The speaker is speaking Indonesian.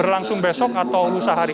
langsung besok atau lusa hari